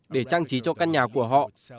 để trang trí cho căn nhà của họ